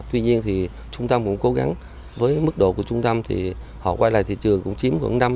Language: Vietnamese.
tuy nhiên thì trung tâm cũng cố gắng với mức độ của trung tâm thì họ quay lại thị trường cũng chiếm khoảng năm mươi